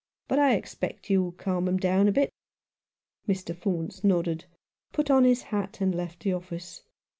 But I expect you'll calm 'em down a bit." Mr. Faunce nodded, put on his hat and left the office.